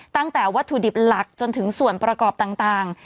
ตั้งแต่วัตถุดิบหลักจนถึงส่วนประกอบต่าง